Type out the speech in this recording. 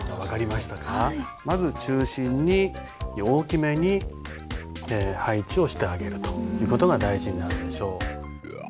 まず中心に大きめに配置をしてあげるという事が大事になるでしょう。